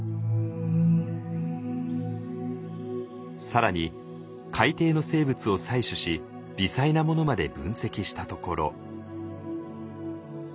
更に海底の生物を採取し微細なものまで分析したところ。